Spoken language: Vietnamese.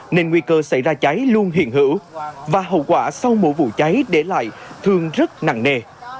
nên nguy cơ xảy ra cháy luôn hiện hữu và hậu quả sau mỗi vụ cháy để lại thường rất nặng nề